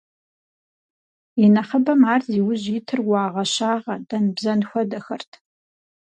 И нэхъыбэм ар зи ужь итыр уагъэ-щагъэ, дэн-бзэн хуэдэхэрт.